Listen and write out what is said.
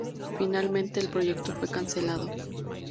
Finalmente, el proyecto fue cancelado.